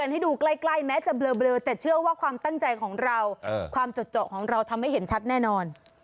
แต่เชื่อว่าความตั้งใจของเราความเจาะของเราทำให้เห็นชัดแน่นอน